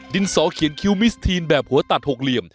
สอเขียนคิวมิสทีนแบบหัวตัดหกเหลี่ยม